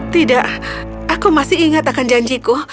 tidak aku masih ingat akan janjiku